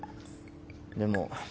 でも。